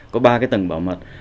có ba cái tầng bảo mật